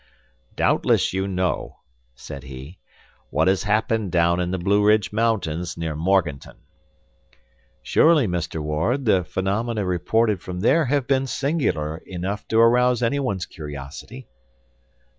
"Doubtless you know," said he, "what has happened down in the Blueridge Mountains near Morganton." "Surely, Mr. Ward, the phenomena reported from there have been singular enough to arouse anyone's curiosity."